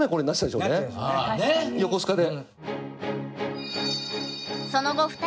横須賀で。